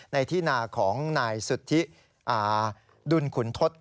ในที่นาของนายสุธิดุลขุนทศ